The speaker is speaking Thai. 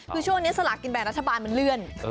คือช่วงนี้สลากกินแบ่งรัฐบาลมันเลื่อน